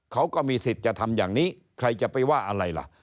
เขาก็มีสิทธิ์จะทำอย่างนี้ใครจะไปว่าอะไรล่ะ